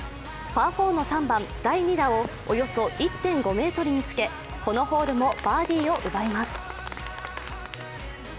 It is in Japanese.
パー４の３番、第２打をおよそ１．５ｍにつけこのホールもバーディーを奪います。